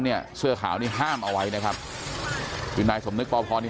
เนี่ยเสื้อขาวนี่ห้ามเอาไว้นะครับคือนายสมนึกปพรนี่